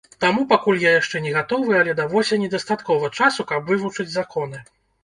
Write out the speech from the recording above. Таму пакуль я яшчэ не гатовы, але да восені дастаткова часу, каб вывучыць законы.